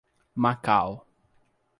Macau